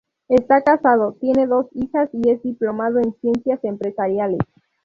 Está casado, tiene dos hijas y es diplomado en ciencias empresariales.